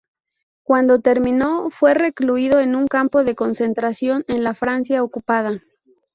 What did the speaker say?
Cuando terminó, fue recluido en un campo de concentración en la Francia ocupada.